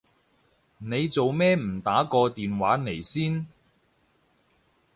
你做咩唔打個電話嚟先？